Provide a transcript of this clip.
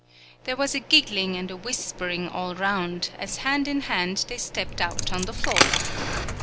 There was a giggling and a whispering all round, as hand in hand they stepped out on the floor.